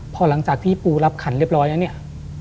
พอหลังจากที่ปูรับขันเรียบร้อยแล้วเนี่ย